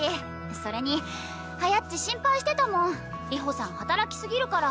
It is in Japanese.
それにはやっち心配してたもん流星さん働き過ぎるから。